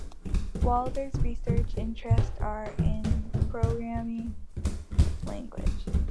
Wadler's research interests are in programming languages.